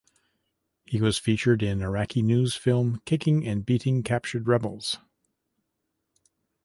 He was featured in Iraqi news film kicking and beating captured rebels.